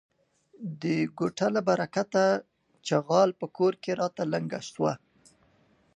د کوټه له برکته ،چغاله په کور کې راته لنگه سوه.